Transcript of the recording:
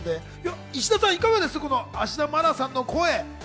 石田さん、いかがでしょう芦田愛菜さんの声。